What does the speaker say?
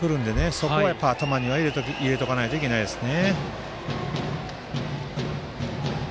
そこは頭に入れておかないといけないですね。